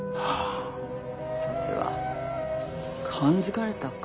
さては感づかれたか？